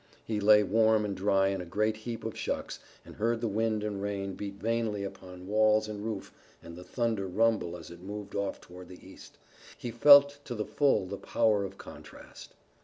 He lay warm and dry in a great heap of shucks, and heard the wind and rain beat vainly upon walls and roof and the thunder rumble as it moved off toward the east. He felt to the full the power of contrast.